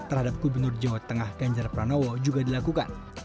terhadap gubernur jawa tengah ganjar pranowo juga dilakukan